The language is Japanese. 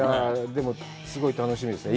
でも、すごい楽しみですね。